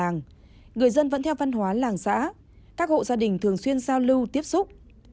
người dân vẫn theo văn hóa làng xã các hộ gia đình thường xuyên giao lưu tiếp xúc